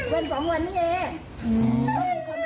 วันสองวันนี้เอง